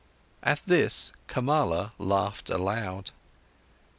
At this, Kamala laughed aloud.